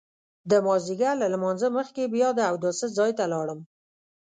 د مازیګر له لمانځه مخکې بیا د اوداسه ځای ته لاړم.